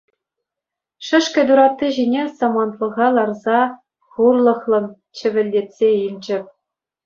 Шӗшкӗ туратти ҫине самантлӑха ларса хурлӑхлӑн чӗвӗлтетсе илчӗ.